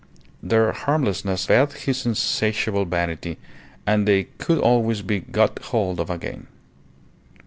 Their harmlessness fed his insatiable vanity, and they could always be got hold of again.